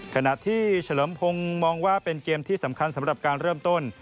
ขณะที่เฉลิมพงศ์มองว่าเป็นเกมที่สำคัญสำหรับการเริ่มต้น